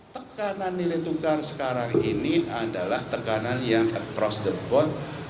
tekanan nilai tukar sekarang ini adalah tekanan yang appross the board